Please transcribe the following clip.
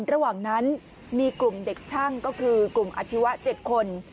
ระหว่างนั้นมีกลุ่มเด็กช่างก็คือกลุ่มอาชีวะ๗คน